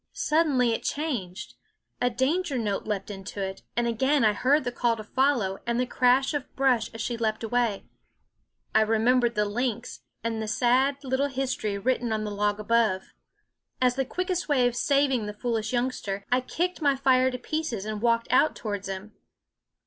Suddenly it changed ; a danger note leaped into it; and again I heard the call to follow and the crash of brush as she leaped away. I remembered the lynx and the sad little history written on the log above. As the quickest way of saving the foolish youngster, I kicked my fire to pieces and walked out towards him.